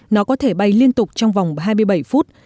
nó có thể bay liên tục trong vòng hai mươi bảy phút